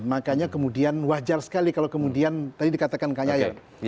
makanya kemudian wajar sekali kalau kemudian tadi dikatakan kang yayan